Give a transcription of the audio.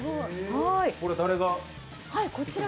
これは誰が？